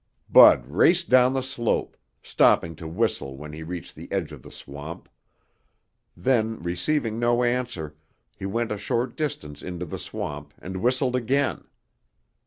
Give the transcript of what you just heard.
Bud raced down the slope, stopping to whistle when he reached the edge of the swamp. Then, receiving no answer, he went a short distance into the swamp and whistled again.